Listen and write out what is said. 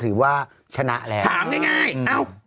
ถือว่าชนะแล้วถามง่ายเอ้า